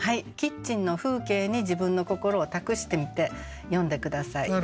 キッチンの風景に自分の心を託してみて詠んで下さい。